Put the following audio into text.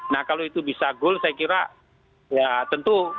nah kalau itu bisa goal saya kira ya tentu